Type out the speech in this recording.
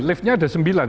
liftnya ada sembilan